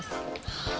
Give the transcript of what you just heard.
はあ。